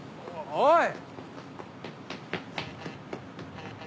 おい！